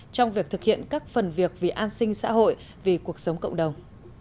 trong việc thực hiện các phần việc vì an sinh xã hội vì cuộc sống cộng đồng